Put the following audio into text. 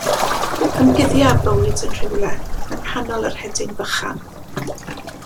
Ymguddia y bywyd yn rhywle yng nghalon yr hedyn bychan.